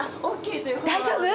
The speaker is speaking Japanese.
大丈夫？